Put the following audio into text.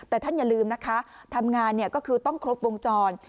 แต่ท่านอย่าลืมนะคะทำงานก็คือต้องครบวงจร